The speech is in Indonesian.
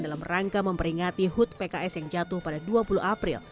dalam rangka memperingati hud pks yang jatuh pada dua puluh april